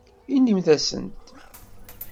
Inimt-asent.